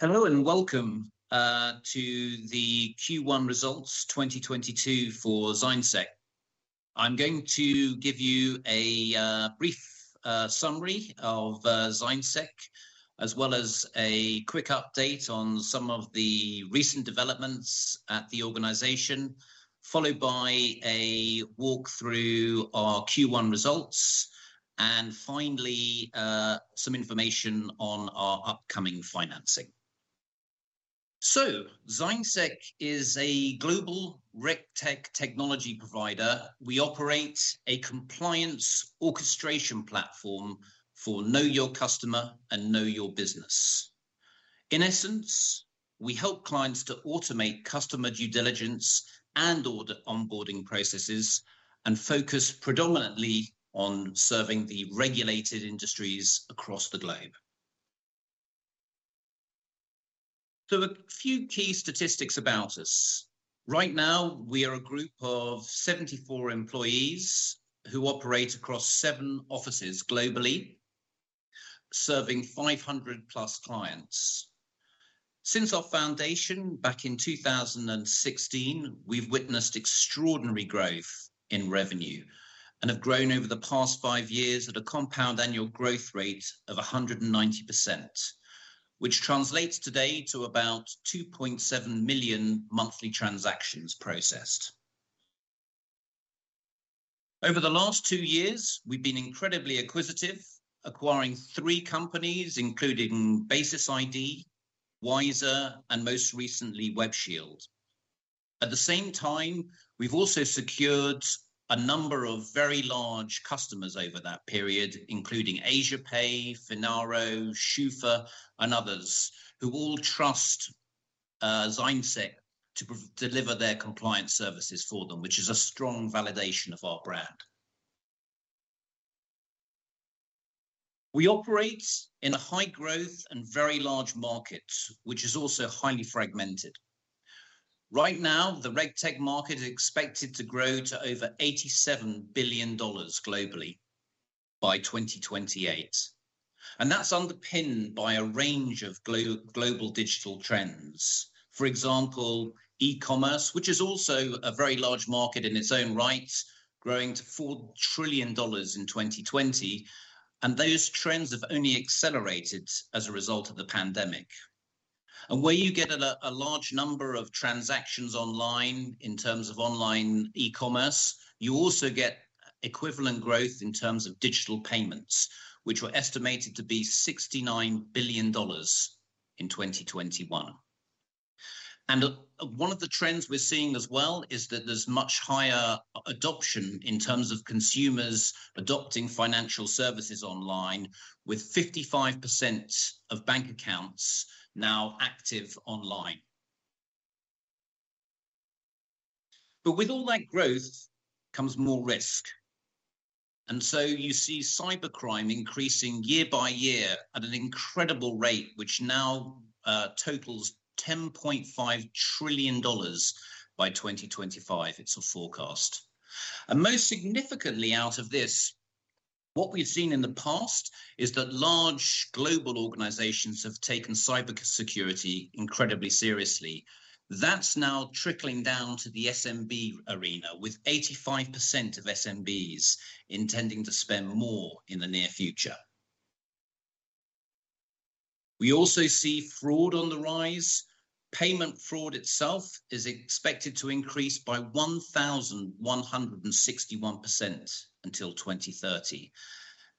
Hello and welcome to the Q1 results 2022 for ZignSec. I'm going to give you a brief summary of ZignSec, as well as a quick update on some of the recent developments at the organization, followed by a walkthrough our Q1 results, and finally, some information on our upcoming financing. ZignSec is a global RegTech technology provider. We operate a compliance orchestration platform for know your customer and know your business. In essence, we help clients to automate customer due diligence and customer onboarding processes, and focus predominantly on serving the regulated industries across the globe. A few key statistics about us. Right now we are a group of 74 employees who operate across seven offices globally, serving 500+ clients. Since our foundation back in 2016, we've witnessed extraordinary growth in revenue, and have grown over the past five years at a compound annual growth rate of 190%, which translates today to about 2.7 million monthly transactions processed. Over the last two years, we've been incredibly acquisitive, acquiring three companies, including Basis ID, Wyzer, and most recently Web Shield. At the same time, we've also secured a number of very large customers over that period, including AsiaPay, Finaro, SCHUFA and others, who all trust ZignSec to deliver their compliance services for them, which is a strong validation of our brand. We operate in a high growth and very large market, which is also highly fragmented. Right now, the RegTech market is expected to grow to over $87 billion globally by 2028, and that's underpinned by a range of global digital trends. For example, e-commerce, which is also a very large market in its own right, growing to $4 trillion in 2020, and those trends have only accelerated as a result of the pandemic. Where you get a large number of transactions online in terms of online e-commerce, you also get equivalent growth in terms of digital payments, which were estimated to be $69 billion in 2021. One of the trends we're seeing as well is that there's much higher adoption in terms of consumers adopting financial services online with 55% of bank accounts now active online. With all that growth comes more risk, and so you see cybercrime increasing year by year at an incredible rate, which now totals $10.5 trillion by 2025. It's forecast. Most significantly out of this, what we've seen in the past is that large global organizations have taken cybersecurity incredibly seriously. That's now trickling down to the SMB arena, with 85% of SMBs intending to spend more in the near future. We also see fraud on the rise. Payment fraud itself is expected to increase by 1,161% until 2030,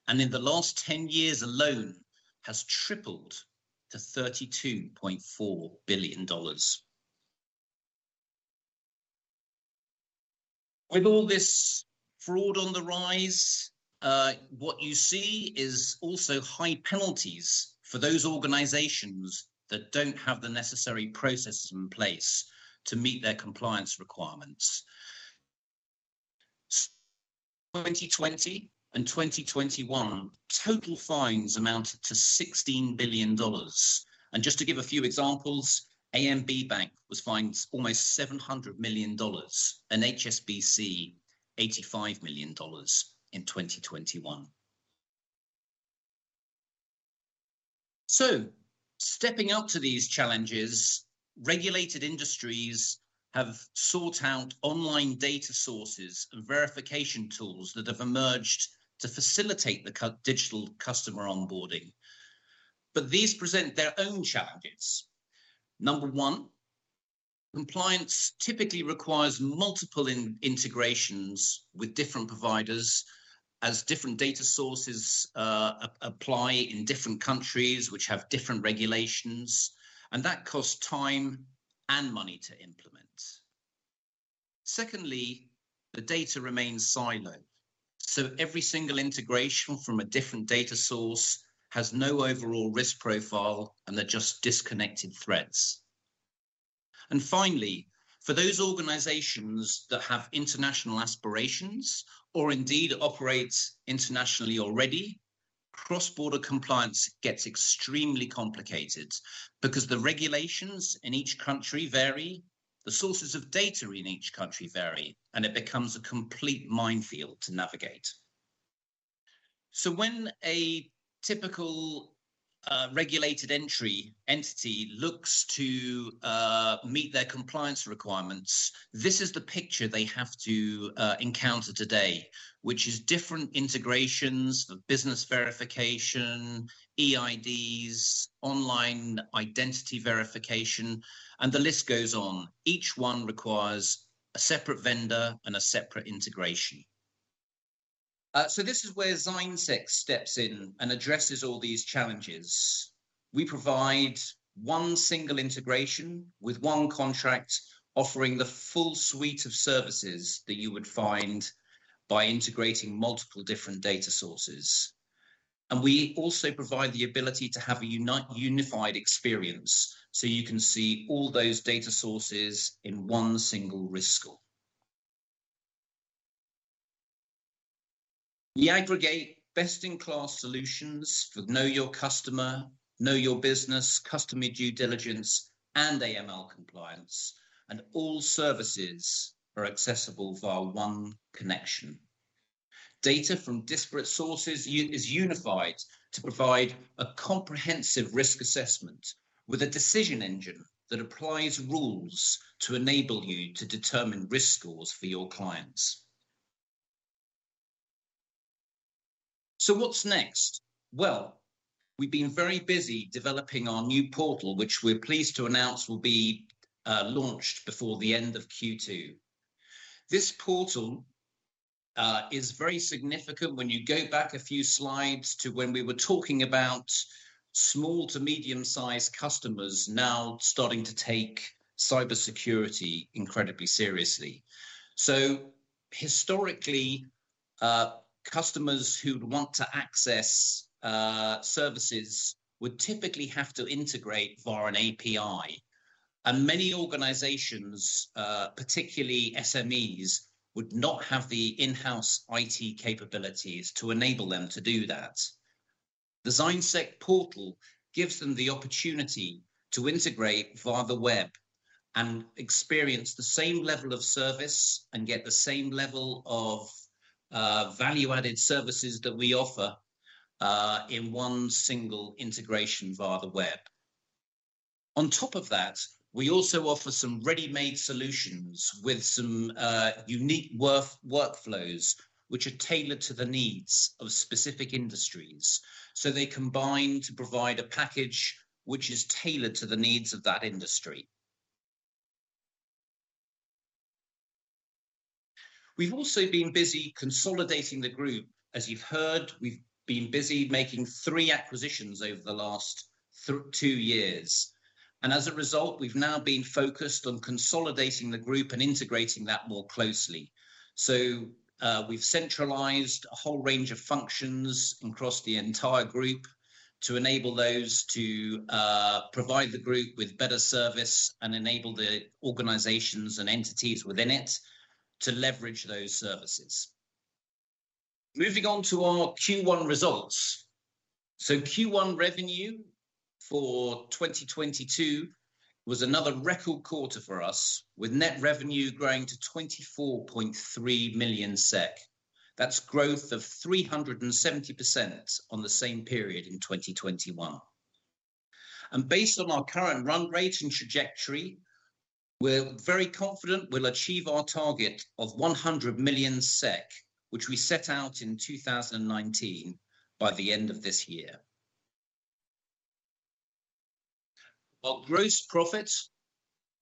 and in the last 10 years alone has tripled to $32.4 billion. With all this fraud on the rise, what you see is also high penalties for those organizations that don't have the necessary processes in place to meet their compliance requirements. 2020 and 2021 total fines amounted to $16 billion. Just to give a few examples, ABN AMRO Bank was fined almost $700 million, and HSBC $85 million in 2021. Stepping up to these challenges, regulated industries have sought out online data sources and verification tools that have emerged to facilitate the digital customer onboarding, but these present their own challenges. Number one, compliance typically requires multiple integrations with different providers as different data sources apply in different countries which have different regulations, and that costs time and money to implement. Secondly, the data remains siloed, so every single integration from a different data source has no overall risk profile, and they're just disconnected threads. Finally, for those organizations that have international aspirations or indeed operate internationally already, cross-border compliance gets extremely complicated because the regulations in each country vary, the sources of data in each country vary, and it becomes a complete minefield to navigate. When a typical regulated entity looks to meet their compliance requirements, this is the picture they have to encounter today, which is different integrations for business verification, eIDs, online identity verification, and the list goes on. Each one requires a separate vendor and a separate integration. This is where ZignSec steps in and addresses all these challenges. We provide one single integration with one contract offering the full suite of services that you would find by integrating multiple different data sources. We also provide the ability to have a unified experience, so you can see all those data sources in one single risk score. We aggregate best-in-class solutions for know your customer, know your business, customer due diligence, and AML compliance, and all services are accessible via one connection. Data from disparate sources is unified to provide a comprehensive risk assessment with a decision engine that applies rules to enable you to determine risk scores for your clients. What's next? Well, we've been very busy developing our new portal, which we're pleased to announce will be launched before the end of Q2. This portal is very significant when you go back a few slides to when we were talking about small to medium-sized customers now starting to take cybersecurity incredibly seriously. Historically, customers who'd want to access services would typically have to integrate via an API, and many organizations, particularly SMEs, would not have the in-house IT capabilities to enable them to do that. The ZignSec Portal gives them the opportunity to integrate via the web and experience the same level of service and get the same level of value-added services that we offer in one single integration via the web. On top of that, we also offer some ready-made solutions with some unique workflows which are tailored to the needs of specific industries, so they combine to provide a package which is tailored to the needs of that industry. We've also been busy consolidating the group. As you've heard, we've been busy making three acquisitions over the last two years, and as a result, we've now been focused on consolidating the group and integrating that more closely. We've centralized a whole range of functions across the entire group to enable those to provide the group with better service and enable the organizations and entities within it to leverage those services. Moving on to our Q1 results. Q1 revenue for 2022 was another record quarter for us, with net revenue growing to 24.3 million SEK. That's growth of 370% on the same period in 2021. Based on our current run rate and trajectory, we're very confident we'll achieve our target of 100 million SEK, which we set out in 2019, by the end of this year. Our gross profit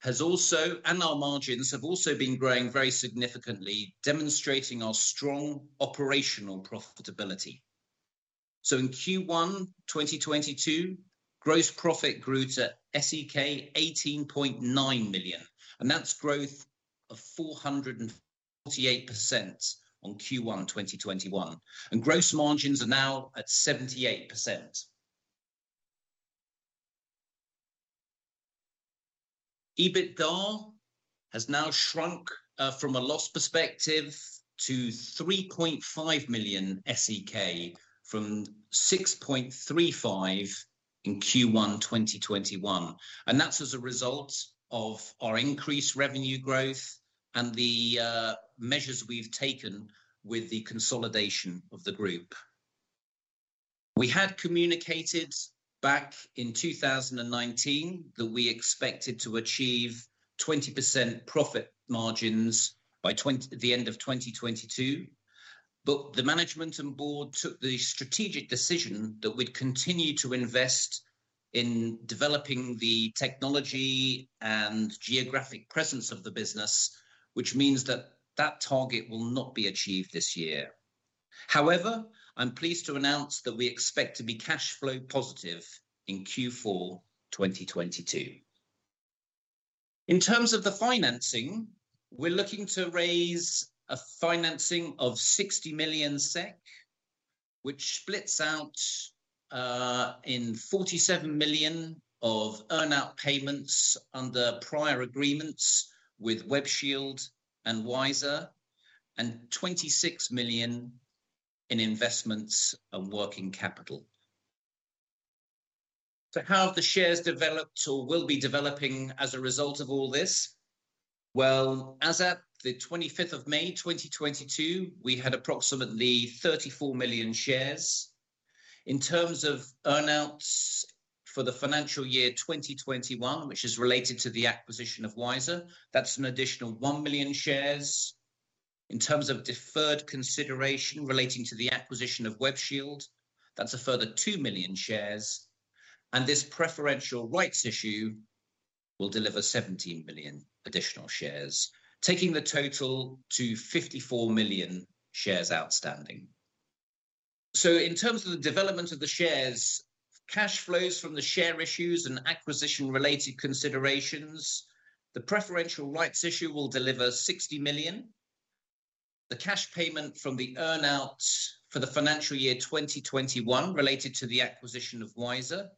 has also, and our margins, have also been growing very significantly, demonstrating our strong operational profitability. In Q1 2022, gross profit grew to SEK 18.9 million, and that's growth of 448% on Q1 2021, and gross margins are now at 78%. EBITDA has now shrunk from a loss perspective to 3.5 million SEK from 6.35 million in Q1 2021, and that's as a result of our increased revenue growth and the measures we've taken with the consolidation of the group. We had communicated back in 2019 that we expected to achieve 20% profit margins by the end of 2022, but the management and board took the strategic decision that we'd continue to invest in developing the technology and geographic presence of the business, which means that that target will not be achieved this year. However, I'm pleased to announce that we expect to be cash flow positive in Q4 2022. In terms of the financing, we're looking to raise a financing of 60 million SEK, which splits out in 47 million of earn-out payments under prior agreements with Web Shield and Wyzer, and 26 million in investments and working capital. How have the shares developed or will be developing as a result of all this? Well, as at the 25th of May 2022, we had approximately 34 million shares. In terms of earn-outs for the financial year 2021, which is related to the acquisition of Wyzer, that's an additional 1 million shares. In terms of deferred consideration relating to the acquisition of Web Shield, that's a further 2 million shares, and this preferential rights issue will deliver 17 million additional shares, taking the total to 54 million shares outstanding. In terms of the development of the shares, cash flows from the share issues and acquisition-related considerations, the preferential rights issue will deliver 60 million. The cash payment from the earn-outs for the financial year 2021 related to the acquisition of Wyzer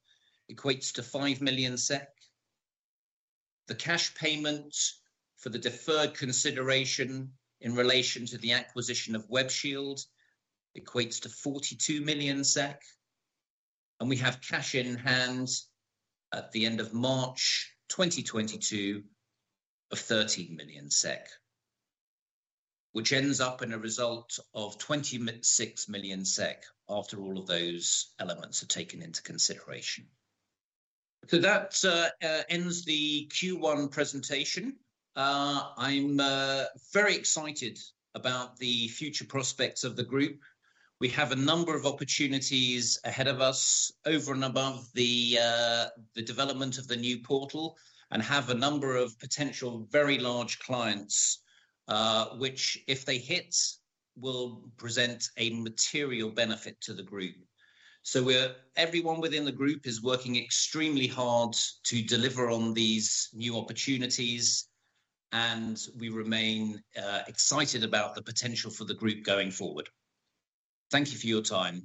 equates to 5 million SEK. The cash payment for the deferred consideration in relation to the acquisition of Web Shield equates to 42 million SEK, and we have cash in hand at the end of March 2022 of 13 million SEK, which ends up in a result of 26 million SEK after all of those elements are taken into consideration. That ends the Q1 presentation. I'm very excited about the future prospects of the group. We have a number of opportunities ahead of us over and above the development of the new portal and have a number of potential very large clients, which, if they hit, will present a material benefit to the group. Everyone within the group is working extremely hard to deliver on these new opportunities, and we remain excited about the potential for the group going forward. Thank you for your time.